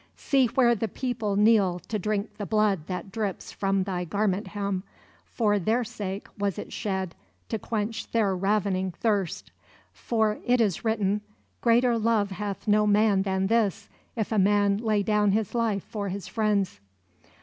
See where the people kneel to drink the blood that drips from thy garment hem: for their sake was it shed, to quench their ravening thirst. For it is written: 'Greater love hath no man than this, if a man lay down his life for his friends.'"